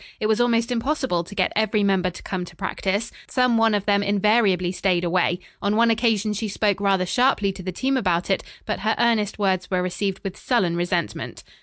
It was almost impossible to get every member to come to practice. Some one of them invariably stayed away. On one occasion she spoke rather sharply to the team about it, but her earnest words were received with sullen resentment.